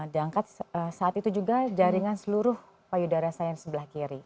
dan saat itu juga jaringan seluruh payudara saya yang sebelah kiri